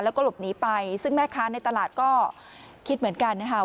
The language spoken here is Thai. แล้วก็หลบหนีไปซึ่งแม่ค้าในตลาดก็คิดเหมือนกันนะคะ